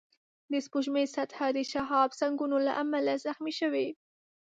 د سپوږمۍ سطحه د شهابسنگونو له امله زخمي شوې